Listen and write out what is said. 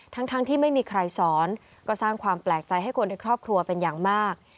ทั้งที่ไม่มีใครสอนก็สร้างความแปลกใจให้คนในครอบครัวเป็นอย่างมาก